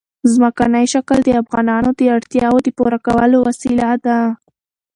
ځمکنی شکل د افغانانو د اړتیاوو د پوره کولو وسیله ده.